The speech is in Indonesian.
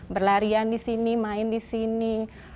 berlarian di sini main di sini